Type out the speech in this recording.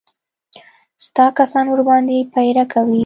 ستا کسان ورباندې پيره کوي.